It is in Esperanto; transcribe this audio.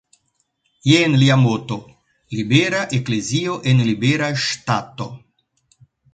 Jen lia moto: "Libera eklezio en libera Ŝtato".